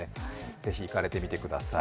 ぜひ行かれてみてください。